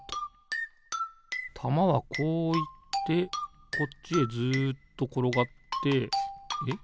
たまはこういってこっちへずっところがってえっ